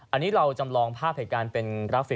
อันนี้เราจำลองภาพเหตุการณ์เป็นกราฟิก